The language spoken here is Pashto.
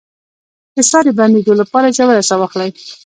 د ساه د بندیدو لپاره ژوره ساه واخلئ